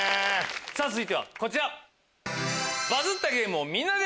さぁ続いてはこちら。